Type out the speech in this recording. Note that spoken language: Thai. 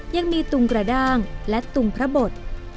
ยังมีตุงกระด้างและตุงพระบท